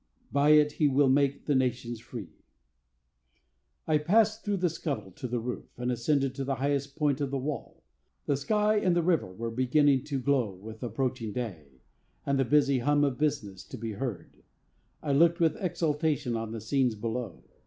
By it he will make the nations free. I passed through the scuttle to the roof, and ascended to the highest point of the wall. The sky and the river were beginning to glow with approaching day, and the busy hum of business to be heard. I looked with exultation on the scenes below.